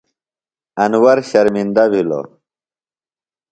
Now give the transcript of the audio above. انور شرمِندہ بِھلوۡ۔